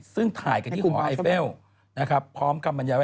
ซึ่งถ่ายกันที่หอไอเฟลพร้อมกำลังแยกว่า